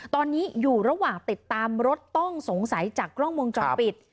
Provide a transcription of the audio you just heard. ตอนนี้อยู่ระหว่างติดตามรถต้องสงสัยจากกล้องวงจรปิด